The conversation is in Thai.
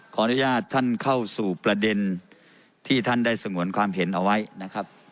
ขออนุญาตท่านเข้าสู่ประเด็นที่ท่านได้สงวนความเห็นเอาไว้นะครับ